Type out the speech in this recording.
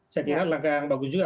saya kira langkah yang bagus juga